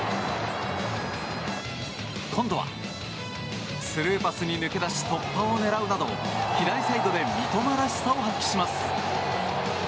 今度はスルーパスに抜け出し突破を狙うなど左サイドで三笘らしさを発揮します。